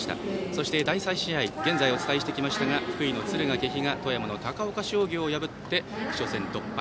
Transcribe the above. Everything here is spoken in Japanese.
そして第３試合現在、お伝えしてきましたが福井の敦賀気比が富山の高岡商業を破って初戦突破。